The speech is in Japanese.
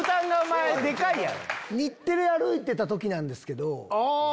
「日テレ歩いてた時なんですけど」。